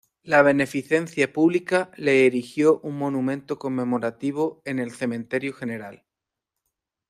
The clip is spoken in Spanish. La beneficencia pública le erigió un monumento conmemorativo en el cementerio general.